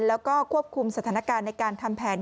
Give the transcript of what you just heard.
แล้วก็ควบคุมสถานการณ์ในการทำแผน